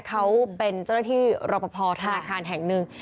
เขาเป็นเจ้าหน้าที่รอปภธนาคารแห่งหนึ่ง